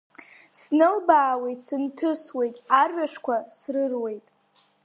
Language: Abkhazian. Сналбаауеит, сынҭысуеит, арҩашқәа срыруеит.